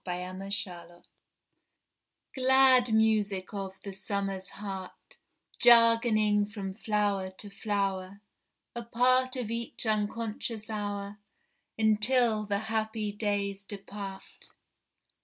The Humming Bee Glad music of the summer's heart, Jargoning from flower to flower, A part of each unconscious hour Until the happy days depart!